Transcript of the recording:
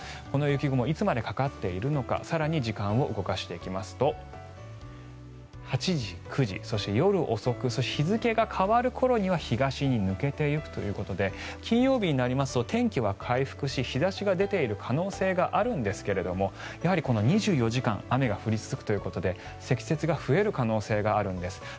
この雪雲いつまでかかっているのか更に時間を動かしていきますと８時、９時そして、夜遅くそして、日付が変わる頃には東に抜けていくということで金曜日になりますと天気は回復し日差しが出ている可能性があるんですがやはり２４時間雨が降り続くということで積雪が増える可能性があるんです。